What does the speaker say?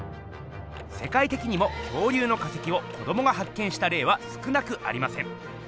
せかいてきにも恐竜の化石を子どもが発見したれいは少なくありません。